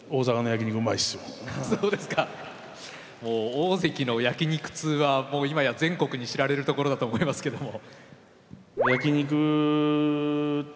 大関の焼き肉通はもう今や全国に知られるところだと思いますけども。